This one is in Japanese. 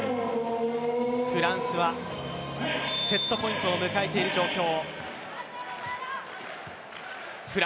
フランスはセットポイントを迎えている状況。